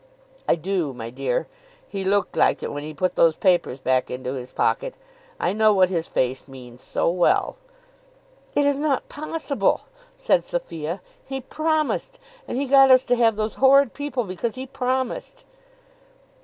"I do, my dear. He looked like it when he put those papers back into his pocket. I know what his face means so well." "It is not possible," said Sophia. "He promised, and he got us to have those horrid people because he promised."